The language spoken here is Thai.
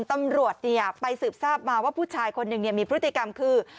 ตำรวจไปสืบทราบมาว่าผู้ชายคนหนึ่งมีพฤติกรรมคือ